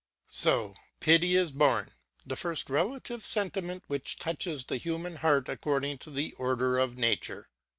So pity is born, the first relative sentiment which touches the human heart according to the order of nature.